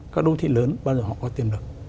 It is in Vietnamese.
các đô thị lớn bao giờ họ có tiềm lực